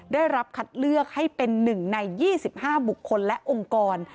ได้รับคัดเลือกให้เป็น๑ใน๒๕บุคคลและองค์กร